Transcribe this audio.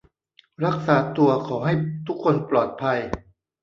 รักษาตัว ขอให้ทุกคนปลอดภัย